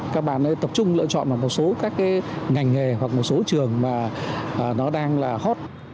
các bản tập trung lựa chọn vào một số các ngành nghề hoặc một số trường mà nó đang hot